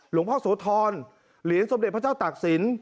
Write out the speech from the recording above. หลวงพ่อโสธรเหรียญสมเด็จพระเจ้าตากศิลป